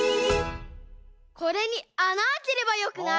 これにあなあければよくない？